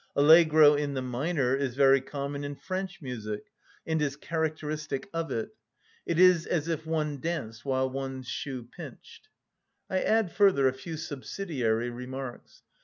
Allegro in the minor is very common in French music, and is characteristic of it; it is as if one danced while one's shoe pinched. I add further a few subsidiary remarks.